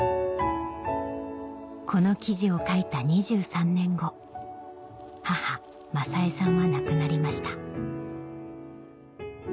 この記事を書いた２３年後母雅衛さんは亡くなりました